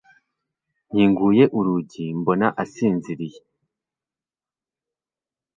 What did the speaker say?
nkinguye urugi, mbona asinziriye